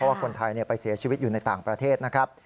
ว่าคนไทยไปเสียชีวิตอยู่ในต่างประเทศนะครับ